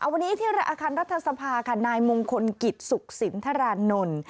วันนี้ที่อาคารรัฐสภาค่ะนายมงคลกิจสุขสินทรานนท์